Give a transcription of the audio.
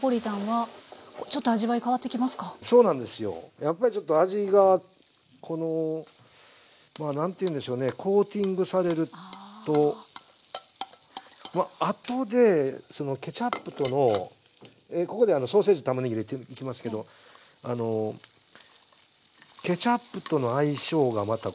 やっぱりちょっと味がこのまあ何ていうんでしょうねコーティングされると後でケチャップとのここでソーセージとたまねぎ入れていきますけどケチャップとの相性がまたこれいいんですよね。